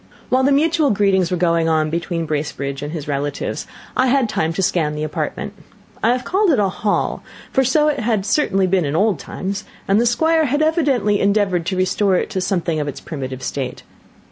While the mutual greetings were going on between Bracebridge and his relatives, I had time to scan the apartment. I have called it a hall, for so it had certainly been in old times, and the Squire had evidently endeavoured to restore it to something of its primitive state.